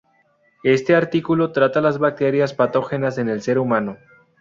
Este artículo trata las bacterias patógenas en el ser humano.